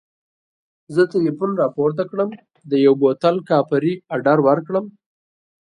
زه ټلیفون راپورته کړم د یوه بوتل کاپري اډر ورکړم.